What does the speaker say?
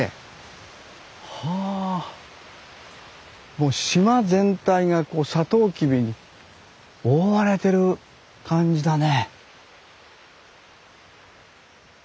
もう島全体がこうサトウキビに覆われてる感じだね。